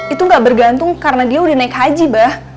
itu gak bergantung karena dia udah naik haji bah